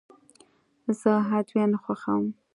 زه ادویه نه خوښوم.